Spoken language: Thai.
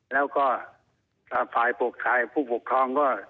แล้วก็ฝ่ายปกครองชายผู้ปกครองก็